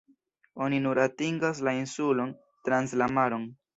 Oni nur atingas la insulon trans la maron.